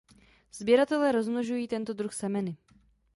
Sběratelé rozmnožují tento druh semeny.